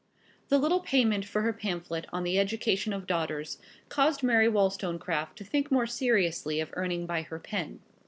The little payment for her pamphlet on the "Education of Daughters" caused Mary Wollstonecraft to think more seriously of earning by her pen.